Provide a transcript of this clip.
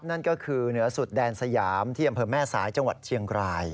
นั่นก็คือเหนือสุดแดนสยามที่อำเภอแม่สายจังหวัดเชียงราย